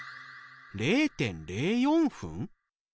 ０．０４分？